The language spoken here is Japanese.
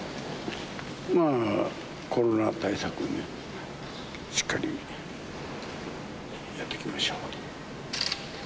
まあ、コロナ対策、しっかり、やっていきましょうと。